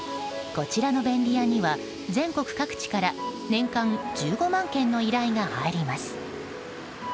こちらの便利屋には全国各地から年間１５万件の依頼が入ります。